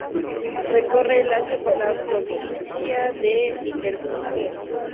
Recorre el Lacio, por la provincia de Viterbo.